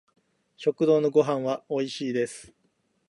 食堂のご飯は美味しいです